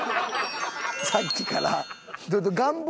さっきから願望？